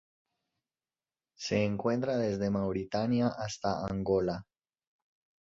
Se encuentra desde Mauritania hasta Angola.